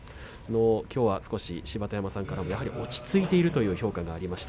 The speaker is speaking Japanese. きょうは少し芝田山さんからもやはり落ち着いているという評価がありました。